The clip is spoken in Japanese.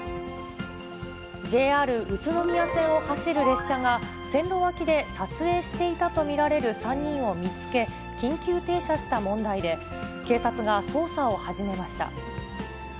ＪＲ宇都宮線を走る列車が、線路脇で撮影していたと見られる３人を見つけ、緊急停車した問題で、警察が捜査を始めました。